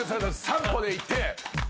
三歩で行って。